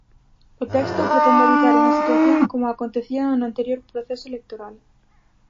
O texto, pretende evitar unha situación como a acontecida no anterior proceso electoral.